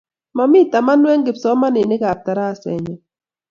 Momi tamanu eng' kipsomaninik ap tarasennyo